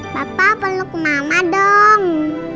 papa peluk mama dong